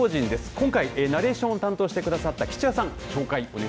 今回ナレーションを担当してくださった吉弥さん